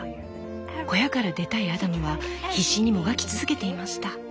小屋から出たいアダムは必死にもがき続けていました。